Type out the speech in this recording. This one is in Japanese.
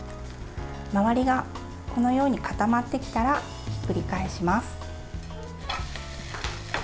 周りがこのように固まってきたらひっくり返します。